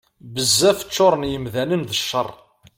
Bezzaf ččuṛen yemdanen d cceṛ.